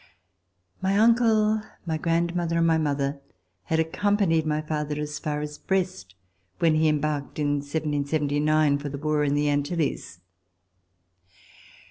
My uncle, my grandmother and my mother had accompanied my father as far as Brest when he em barked in 1779 for the war in the Antilles.